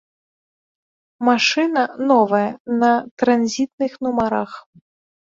Машына новая, на транзітных нумарах.